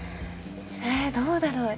えっどうだろう？